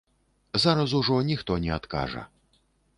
Зараз ужо ніхто не адкажа.